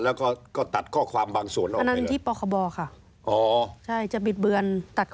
แล้วก็ตัดข้อความบางส่วนออกมาได้เลย